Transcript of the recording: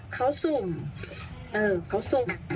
เขาสุมเอ่อเขาสุม